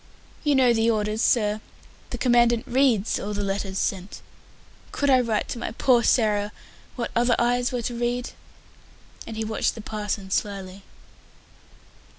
"You know the orders, sir the Commandant reads all the letters sent. Could I write to my poor Sarah what other eyes were to read?" and he watched the parson slyly.